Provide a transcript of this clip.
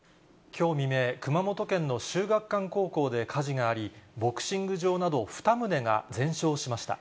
きょう未明、熊本県の秀岳館高校で火事があり、ボクシング場など２棟が全焼しました。